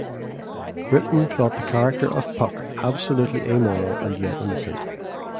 Britten thought the character of Puck absolutely amoral and yet innocent.